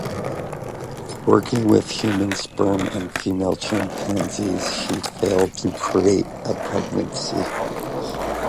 Working with human sperm and female chimpanzees, he failed to create a pregnancy.